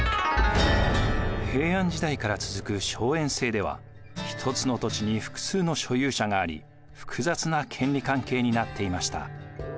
平安時代から続く荘園制では一つの土地に複数の所有者があり複雑な権利関係になっていました。